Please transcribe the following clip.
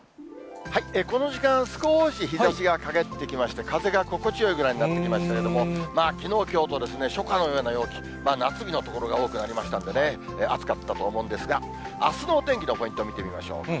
この時間、少し日ざしがかげってきまして、風が心地よいぐらいになってきましたけれども、きのう、きょうと初夏のような陽気、夏日の所が多くなりましたんでね、暑かったと思うんですが、あすのお天気のポイント、見てみましょう。